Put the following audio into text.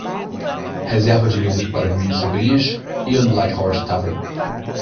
Reserva de livros para minhas sobrinhas e eu no Light Horse Tavern